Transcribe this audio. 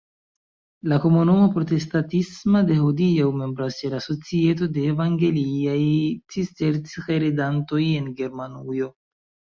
La komunumo protestatisma de hodiaŭ membras ĉe la Societo de evangeliaj cisterciheredantoj en Germanujo.